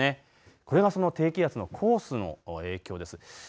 これがその低気圧のコースの影響です。